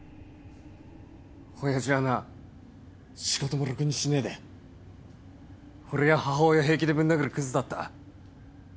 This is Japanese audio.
親父はな仕事もろくにしねえで俺や母親平気でぶん殴るクズだった。